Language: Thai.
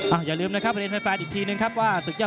อ่าอย่าลืมนะครับเรียนแปลนแปลนอีกทีนึงครับว่า